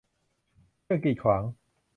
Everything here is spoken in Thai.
เครื่องกีดขวาง